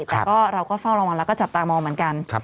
แต่เราก็เฝ้าระวังแล้วก็จับตามองเหมือนกัน